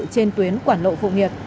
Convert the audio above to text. trên tuyến quảng lộ phụng hiệp